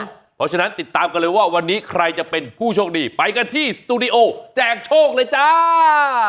เพราะฉะนั้นติดตามกันเลยว่าวันนี้ใครจะเป็นผู้โชคดีไปกันที่สตูดิโอแจกโชคเลยจ้า